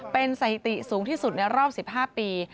เป็นสถิติสูงที่สุดในรอบ๑๕ปี